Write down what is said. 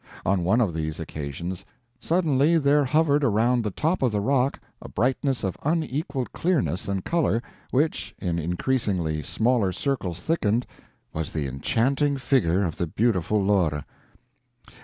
On one of these occasions, "suddenly there hovered around the top of the rock a brightness of unequaled clearness and color, which, in increasingly smaller circles thickened, was the enchanting figure of the beautiful Lore.